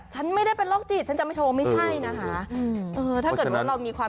โทรไปปรึกษาเถอะ